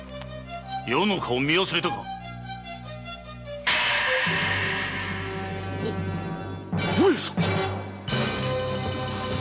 余の顔を見忘れたか‼上様！